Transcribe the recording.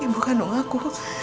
ibu kandung aku